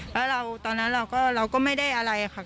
แล้วตอนนั้นเราก็ไม่ได้อะไรค่ะ